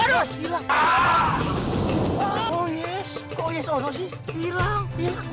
mereka merasa ingin anda kukal